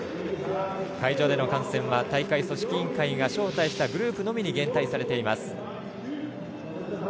会場での観戦は大会組織委員会が招待したグループのみに限定されています。